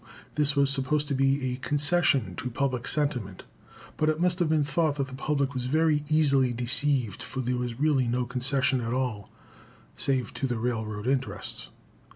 This was supposed to be a concession to public sentiment; but it must have been thought that the public were very easily deceived, for there was really no concession at all, save to the railroad interests.